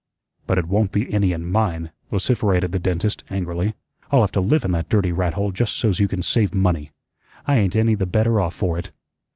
"But it won't be any in mine," vociferated the dentist, angrily. "I'll have to live in that dirty rat hole just so's you can save money. I ain't any the better off for it."